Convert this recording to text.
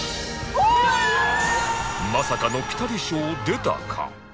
まさかのピタリ賞出たか！？